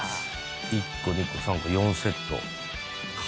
１個２個３個４セット。